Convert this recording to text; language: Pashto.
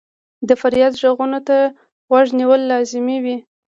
د فریاد ږغونو ته غوږ نیول لازمي وي.